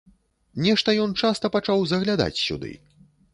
Нешта ён часта пачаў заглядаць сюды!